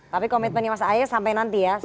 tapi komitmennya mas ahaye sampai nanti ya